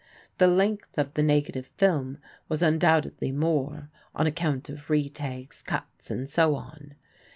The length of the negative film was undoubtedly more, on account of retakes, cuts, and so on.